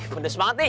pedes banget nih